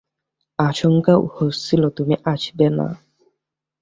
আশঙ্কা হচ্ছিল তুমি আসবে না।